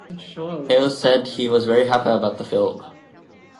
Hill said he was "very happy about" the film.